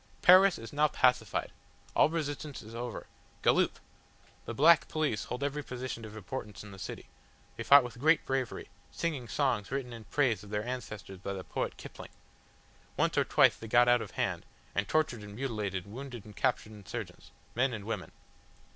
"Paris is now pacified. All resistance is over. Galloop! The black police hold every position of importance in the city. They fought with great bravery, singing songs written in praise of their ancestors by the poet Kipling. Once or twice they got out of hand, and tortured and mutilated wounded and captured insurgents, men and women.